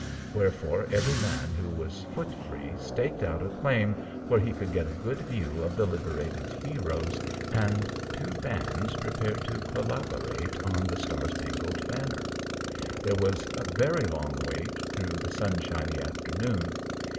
Wherefore every man who was foot free staked out a claim where he could get a good view of the liberated heroes, and two bands prepared to collaborate on "The Star Spangled Banner." There was a very long wait through the sunshiny afternoon.